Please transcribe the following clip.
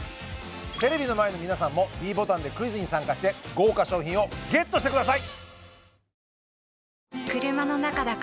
テレビの前の皆さんもｄボタンでクイズに参加して豪華賞品をＧＥＴしてください